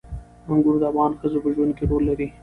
انګور د افغان ښځو په ژوند کې رول لري.